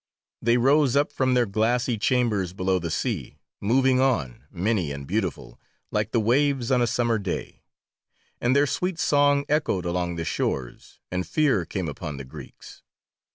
They rose up from their glassy chambers below the sea, moving on, many and beautiful, like the waves on a summer day, and their sweet song echoed along the shores, and fear came upon the Greeks.